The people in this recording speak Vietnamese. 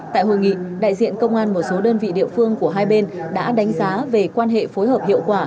tại hội nghị đại diện công an một số đơn vị địa phương của hai bên đã đánh giá về quan hệ phối hợp hiệu quả